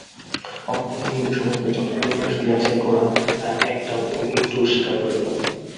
অপর পক্ষে হিন্দুসমাজকে যতগুলি দোষ দিয়াছিল গোরা তাহার একটাও এবং একটুও স্বীকার করিল না।